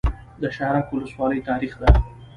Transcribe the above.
د شهرک ولسوالۍ تاریخي ده